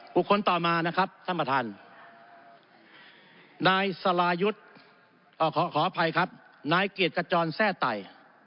บุคคลต่อมานะครับสมทรรณนายสลายุทธ์ขออภัยครับนายเกียรติกระจอนแทร่ไต่